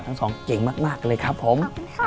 ทั้งสองเก่งมากเลยครับผม